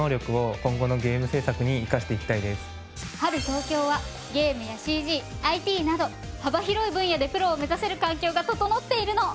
ＨＡＬ東京はゲームやＣＧＩＴなど幅広い分野でプロを目指せる環境が整っているの。